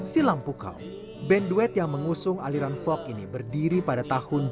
silampukau band duet yang mengusung aliran folk ini berdiri pada tahun dua ribu delapan